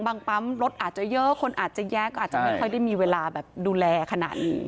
ปั๊มรถอาจจะเยอะคนอาจจะแยกก็อาจจะไม่ค่อยได้มีเวลาแบบดูแลขนาดนี้